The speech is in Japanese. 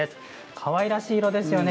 かわいらしい色ですよね。